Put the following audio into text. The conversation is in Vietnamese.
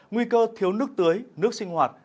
nguy cơ thiếu nước tưới nước sinh hoạt